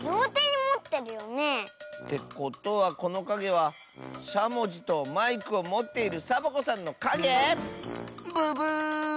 てことはこのかげはしゃもじとマイクをもっているサボ子さんのかげ⁉ブブー！